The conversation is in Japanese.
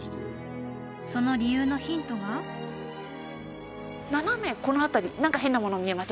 その理由のヒントが斜めこの辺り何か変なもの見えませんか？